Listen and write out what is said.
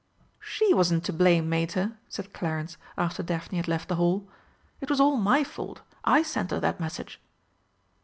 "She wasn't to blame, Mater," said Clarence, after Daphne had left the Hall. "It was all my fault. I sent her that message."